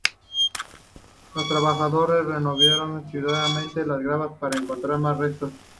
Los trabajadores removieron cuidadosamente la grava para encontrar más restos.